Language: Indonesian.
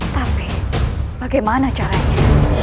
tapi bagaimana caranya